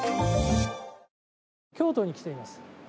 京都に来ています。